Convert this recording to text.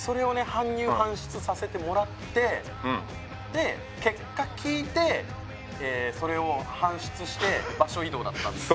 搬入搬出させてもらってで結果聞いてそれを搬出して場所移動だったんですよ